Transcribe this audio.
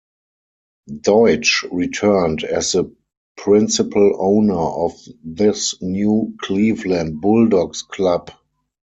Deutsch returned as the principal owner of this new Cleveland Bulldogs club.